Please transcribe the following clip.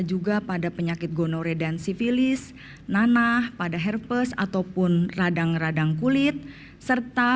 juga pada penyakit gonore dan sivilis nanah pada herpes ataupun radang radang kulit serta